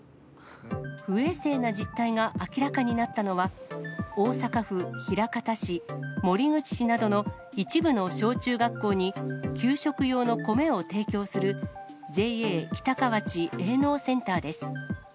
不衛生な実態が明らかになったのは、大阪府枚方市、守口市などの一部の小中学校に、給食用の米を提供するＪＡ北河内営農センターです。